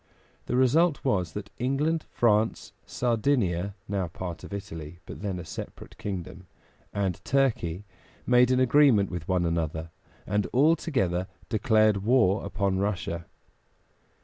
The result was that England, France, Sardinia (now a part of Italy, but then a separate kingdom), and Turkey made an agreement with one another, and all together declared war upon Russia.